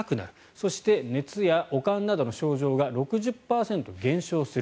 そして、熱や悪寒などの症状が６０％減少する。